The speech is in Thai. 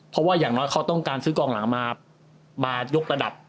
เพราะว่าอย่างน้อยเขาต้องการซื้อกองหลังมายกระดับ